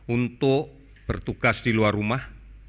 untuk bertugas di luar rumah